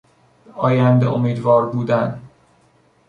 به آینده امیدوار بودن